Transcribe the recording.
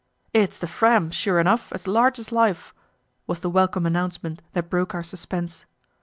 "It's the Fram sure enough, as large as life!" was the welcome announcement that broke our suspense.